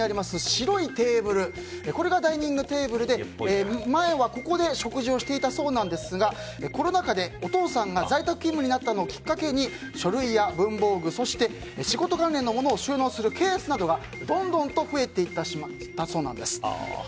白いテーブルがダイニングテーブルで前は、ここで食事をしていたそうですがコロナ禍でお父さんが在宅勤務になったのをきっかけに書類や文房具、仕事関係のものを収納するケースなどがどんどん増えてしまったそうです。